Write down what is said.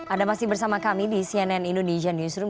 ada masih bersama kami di cnn indonesia newsroom